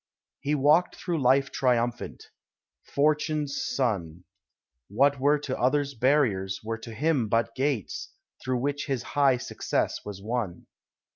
He walked through life triumphant. Fortune's son, What were to others barriers, were to him But gates, through which his high success was won.